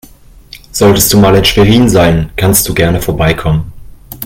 Solltest du mal in Schwerin sein, kannst du gerne vorbeikommen.